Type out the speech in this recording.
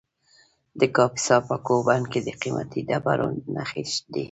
د کاپیسا په کوه بند کې د قیمتي ډبرو نښې دي.